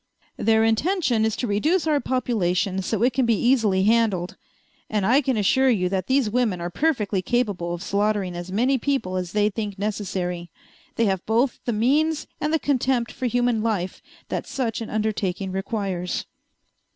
"Their intention is to reduce our population so it can be easily handled. And I can assure you that these women are perfectly capable of slaughtering as many people as they think necessary. They have both the means and the contempt for human life that such an undertaking requires."